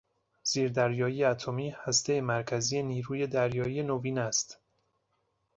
زیردریایی اتمی، هستهی مرکزی نیروی دریایی نوین است